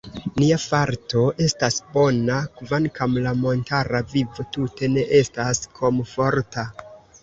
Nia farto estas bona, kvankam la montara vivo tute ne estas komforta.